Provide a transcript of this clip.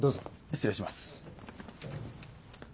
失礼します。